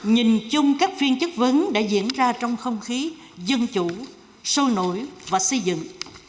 nhìn chung các phiên chất vấn đã diễn ra trong không khí dân chủ sâu nổi và xây dựng